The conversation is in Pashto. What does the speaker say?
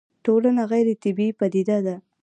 ټولنه غيري طبيعي پديده ده